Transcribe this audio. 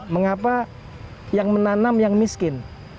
mengapa yang menanam yang miskin